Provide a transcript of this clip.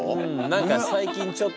何か最近ちょっと。